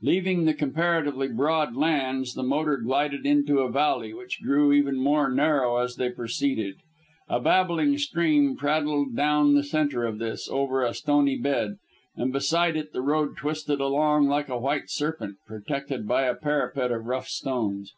Leaving the comparatively broad lands, the motor glided into a valley, which grew even more narrow as they proceeded. A babbling stream prattled down the centre of this, over a stony bed, and beside it the road twisted along like a white serpent, protected by a parapet of rough stones.